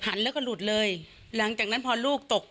แล้วก็หลุดเลยหลังจากนั้นพอลูกตก